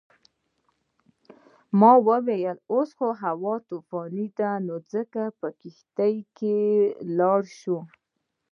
ما وویل اوس خو هوا طوفاني ده څنګه به په کښتۍ کې لاړ شم.